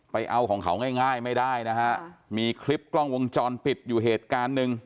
ไปเอาของเขาง่ายง่ายไม่ได้นะฮะมีคลิปกล้องวงจรปิดอยู่เหตุการณ์หนึ่ง